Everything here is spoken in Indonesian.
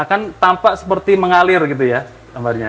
akan tampak seperti mengalir gitu ya gambarnya